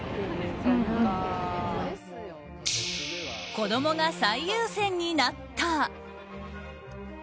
子供が最優先になった。